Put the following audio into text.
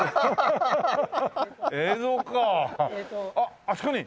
あっあそこに！